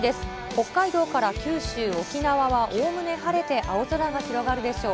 北海道から九州、沖縄はおおむね晴れて、青空が広がるでしょう。